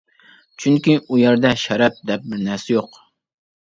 چۈنكى ئۇ يەردە شەرەپ، دەپ بىر نەرسە يوق.